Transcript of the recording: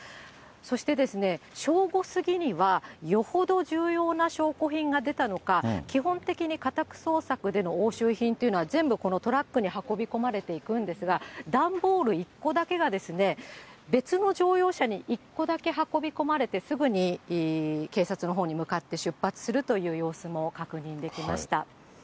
そして、正午過ぎにはよほど重要な証拠品が出たのか、基本的には家宅捜索での押収品というのは全部このトラックに運び込まれていくんですが、段ボール１個だけが別の乗用車に一個だけ運び込まれて、すぐに警察のほうに向かって、出発するという様子も確認できました。